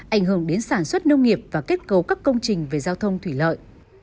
ảnh hưởng đến sản xuất nông nghiệp và kết cấu các công trình về giao thông thủy lợi